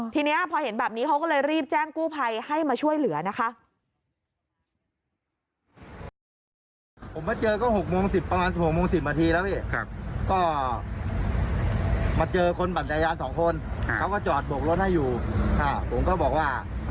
ทีนี้พอเห็นแบบนี้เขาก็เลยรีบแจ้งกู้ภัยให้มาช่วยเหลือนะคะ